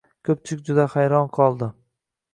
Koʻpchilik juda hayron qoldi.